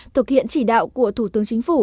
thực hiện chỉ đạo của thủ tướng chính phủ